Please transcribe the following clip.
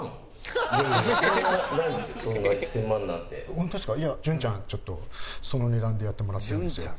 ちょっとその値段でやってもらってるんですよ。